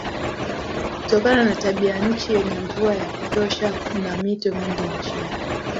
Kutokana na tabianchi yenye mvua ya kutosha kuna mito mingi nchini.